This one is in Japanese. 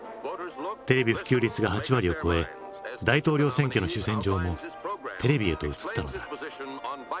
テレビ普及率が８割を超え大統領選挙の主戦場もテレビへと移ったのだ。